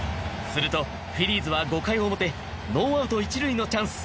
するとフィリーズは５回の表、ノーアウト一塁のチャンス。